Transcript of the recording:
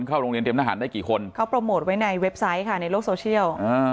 เข้าโรงเรียนเตรียมทหารได้กี่คนเขาโปรโมทไว้ในเว็บไซต์ค่ะในโลกโซเชียล